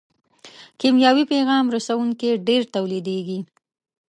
کیمیاوي پیغام رسوونکي ډېر تولیدیږي.